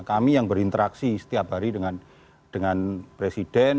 kami yang berinteraksi setiap hari dengan presiden